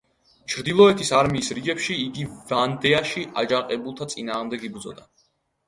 ჩრდილოეთის არმიის რიგებში იგი ვანდეაში აჯანყებულთა წინააღმდეგ იბრძოდა.